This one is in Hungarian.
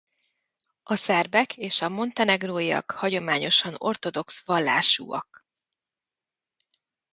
A szerbek és a montenegróiak hagyományosan ortodox vallásúak.